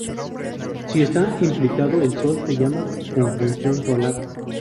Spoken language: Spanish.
Si está implicado el Sol se llama conjunción solar.